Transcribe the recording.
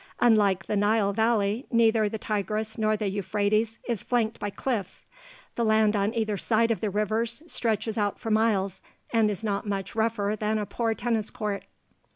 Unlike the Nile Valley, neither the Tigris nor the Euphrates is flanked by cliffs. The land on either side of the rivers stretches out for miles and is not much rougher than a poor tennis court.